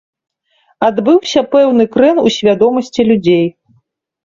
Адбыўся пэўны крэн у свядомасці людзей.